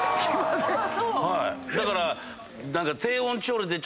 だから。